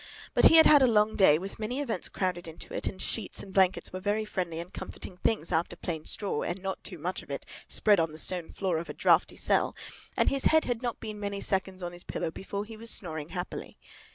But he had had a long day, with many events crowded into it; and sheets and blankets were very friendly and comforting things, after plain straw, and not too much of it, spread on the stone floor of a draughty cell; and his head had not been many seconds on his pillow before he was snoring happily.